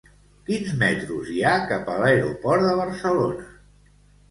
Quins metros hi ha cap a l'aeroport de Barcelona?